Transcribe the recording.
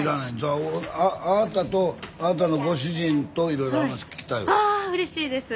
あなたとあなたのご主人といろいろあうれしいです！